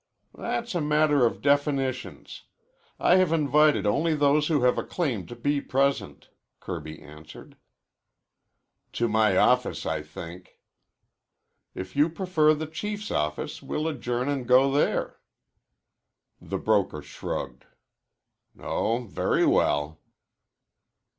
"That's a matter of definitions. I have invited only those who have a claim to be present," Kirby answered. "To my office, I think." "If you prefer the Chief's office we'll adjourn an' go there." The broker shrugged. "Oh, very well."